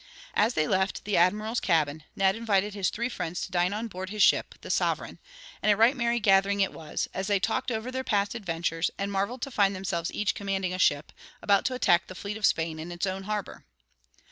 As they left the admiral's cabin, Ned invited his three friends to dine on board his ship, the Sovereign; and a right merry gathering it was, as they talked over their past adventures, and marveled to find themselves each commanding a ship, about to attack the fleet of Spain in its own harbor.